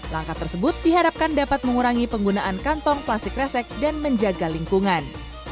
langkah tersebut diharapkan dapat mengurangi penggunaan kantong plastik resek dan menjaga lingkungan